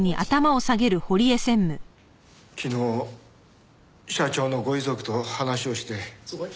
昨日社長のご遺族と話をして。